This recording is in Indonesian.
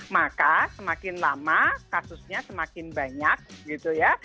maka semakin lama kasusnya semakin banyak gitu ya